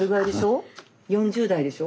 ４０代でしょ？